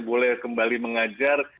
boleh kembali mengajar